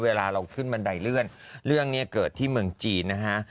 เวลาเราขึ้นบันไดเลื่อนเรื่องนี้เกิดที่เมืองจีนนะฮะ